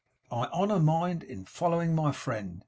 I honour Mind in following my friend.